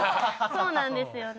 そうなんですよね。